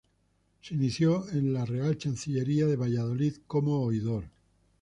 Se inició en la Real Chancillería de Valladolid como oidor.